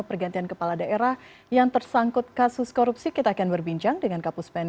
pergantian kepala daerah yang tersangkut kasus korupsi kita akan berbincang dengan kapus pen